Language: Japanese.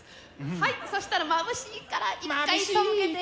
はいそしたらまぶしいから一回背けて。